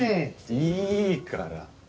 いいから。